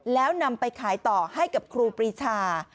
แล้วนำไปขายต่อให้กับครูปรีชา